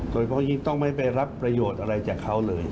โดยเพราะยิ่งต้องไม่ไปรับประโยชน์อะไรจากเขาเลย